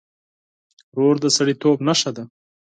ورور د سړيتوب نښه ده.